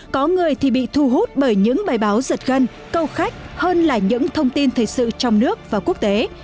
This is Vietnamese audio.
có người thì bị thu hút bởi những bài báo giật gân câu khách hơn là những thông tin thời sự trong nước và quốc tế